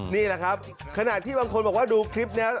นี่แหละครับขณะที่บางคนบอกว่าดูคลิปนี้